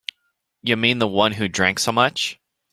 You mean the one who drank so much?